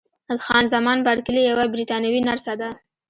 خان زمان بارکلي یوه بریتانوۍ نرسه ده.